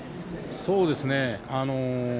そうですね。